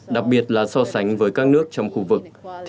đặc biệt là so sánh với các nước trong khu vực